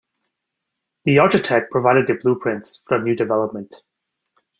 The architect provided the blueprints for the new development.